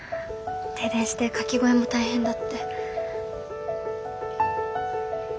停電してカキ小屋も大変だって。